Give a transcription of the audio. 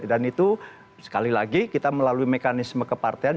dan itu sekali lagi kita melalui mekanisme kepartian